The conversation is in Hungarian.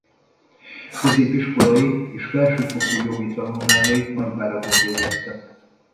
Középiskolai és felsőfokú jogi tanulmányait Nagyváradon végezte.